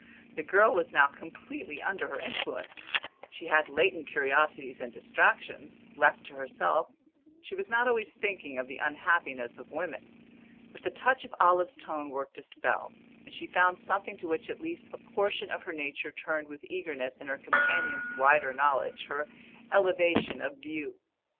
The girl was now completely under her influence; she had latent curiosities and distractions left to herself, she was not always thinking of the unhappiness of women; but the touch of Olive's tone worked a spell, and she found something to which at least a portion of her nature turned with eagerness in her companion's wider knowledge, her elevation of view.